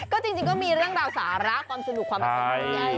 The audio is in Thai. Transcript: ก็จริงก็มีเรื่องราวสาระความสนุกความรัก